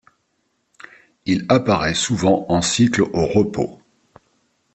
Il apparaît souvent en cycle au repos.